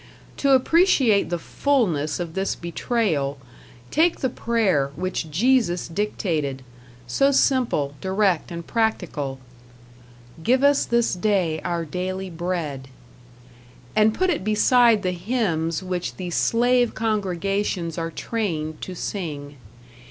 To appreciate the fullness of this betrayal, take the prayer which Jesus dictated so simple, direct and practical: "Give us this day our daily bread", and put it beside the hymns which the slave congregations are trained to sing.